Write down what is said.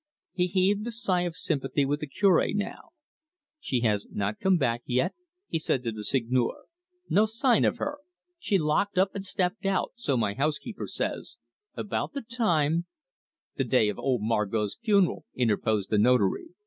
He heaved a sigh of sympathy with the Cure now. "She has not come back yet?" he said to the Seigneur. "No sign of her. She locked up and stepped out, so my housekeeper says, about the time " "The day of old Margot's funeral," interposed the Notary.